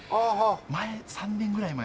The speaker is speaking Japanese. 前３年ぐらい前に来て。